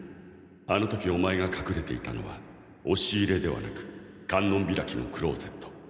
あの時お前が隠れていたのは押し入れではなく観音開きのクローゼット。